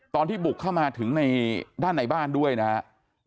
ตอนที่บุกเข้ามาถึงได้ด้านในบ้านด้วยนะเข้ามาแบบ